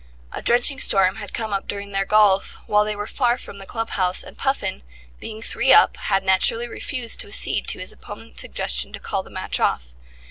A drenching storm had come up during their golf, while they were far from the club house, and Puffin, being three up, had very naturally refused to accede to his opponent's suggestion to call the match off.